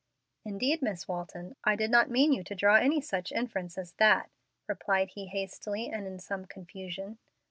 "Indeed, Miss Walton, I did not mean you to draw any such inference as that," replied he, hastily and in some confusion.